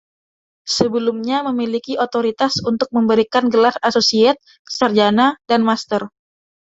Sebelumnya memiliki otorisasi untuk memberikan gelar associate, sarjana, dan master.